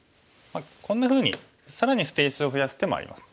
こんなふうに更に捨て石を増やす手もあります。